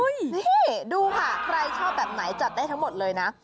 นี่ดูค่ะใครชอบแบบไหนจัดได้ทั้งหมดเลยนะ